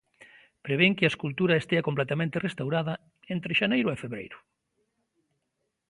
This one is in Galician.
Prevén que a escultura estea completamente restaurada entre xaneiro e febreiro.